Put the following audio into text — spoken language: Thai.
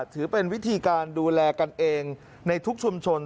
ถือเป็นวิธีการดูแลกันเองในทุกชุมชน